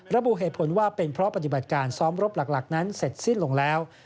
ระบุเหตุผลว่าเป็นเพราะปฏิบัติการซ้อมรบหลักนั้นเสร็จสิ้นลงแล้ว